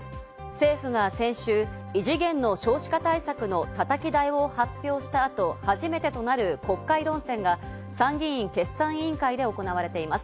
政府が先週、異次元の少子化対策のたたき台を発表した後、初めてとなる国会論戦が参議院決算委員会で行われています。